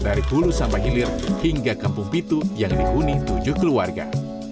dari hulu sampai hilir hingga kampung pitu yang dihuni tujuh keluarga